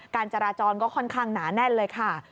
การจราจรก็ค่อนข้างหนาแน่นเลยค่ะ